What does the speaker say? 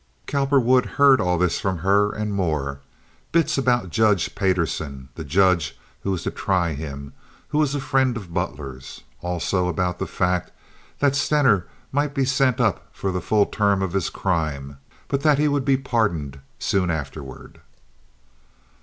Cowperwood heard all this from her, and more—bits about Judge Payderson, the judge who was to try him, who was a friend of Butler's—also about the fact that Stener might be sent up for the full term of his crime, but that he would be pardoned soon afterward.